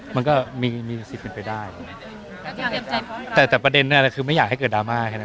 มันก็มีมีสิทธิ์เป็นไปได้แต่แต่ประเด็นเนี่ยคือไม่อยากให้เกิดดราม่าแค่นั้น